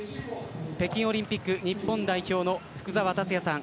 北京オリンピック日本代表の福澤達哉さん